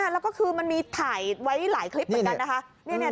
แล้วก็คือมันมีถ่ายไว้หลายคลิปเหมือนกันนะคะ